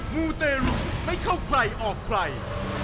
มูเตรุไม่เข้าใครออกใคร